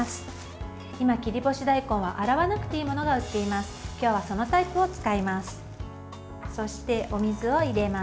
今、切り干し大根は洗わなくていいものが売っています。